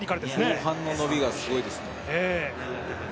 後半の伸びがすごいですね。